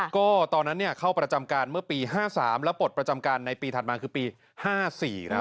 ก็ตอนนั้นเนี่ยเข้าประจำการเมื่อปีห้าสามแล้วปฏิประจำการในปีถัดมาคือปีห้าสี่นะ่ะ